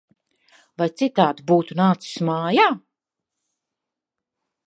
Vai citādi būtu nācis mājā!